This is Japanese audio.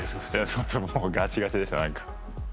そうそうもう、ガチガチでした。